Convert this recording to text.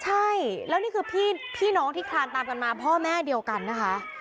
ใช่แล้วนี่คือพี่น้องที่คลานตามกันมาพ่อแม่เดียวกันนะคะ